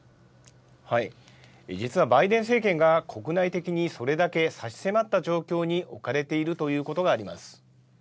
実は、バイデン政権が国内的にそれだけ差し迫った状況に置かれているということがあります。